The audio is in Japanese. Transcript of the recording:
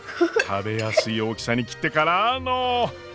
食べやすい大きさに切ってからの。